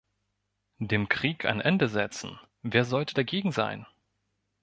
Dem Krieg ein Ende setzen, wer sollte dagegen sein?